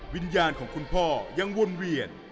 วิญญาณของคุณพ่อยังวนเวียน